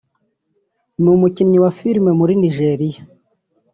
n’umukinnyi wa Filimi muri Nigeria